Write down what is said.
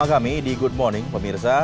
selamat pagi di good morning pemirsa